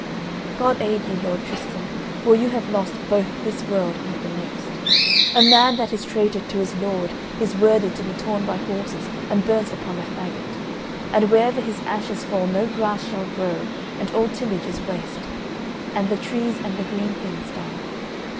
"God aid you, Lord Tristan; for you have lost both this world and the next. A man that is traitor to his lord is worthy to be torn by horses and burnt upon the faggot, and wherever his ashes fall no grass shall grow and all tillage is waste, and the trees and the green things die.